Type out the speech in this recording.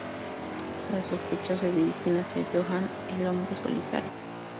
Las sospechas se dirigen hacia Johan el hombre solitario.